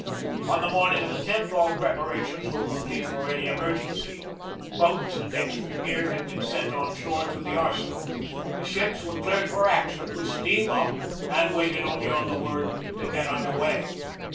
On the morning of the loth all preparations were complete for any emergency. Boats and extra gear had been sent on shore to the arsenal. The ships were cleared for action with steam up, and waited only on the word to get under way.